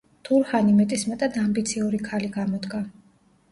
თურჰანი მეტისმეტად ამბიციური ქალი გამოდგა.